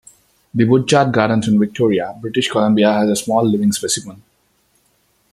The Butchart Gardens in Victoria, British Columbia has a small living specimen.